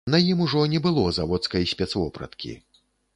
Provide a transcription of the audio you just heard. На ім ужо не было заводскай спецвопраткі.